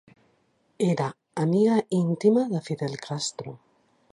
Era amiga íntima de Fidel Castro.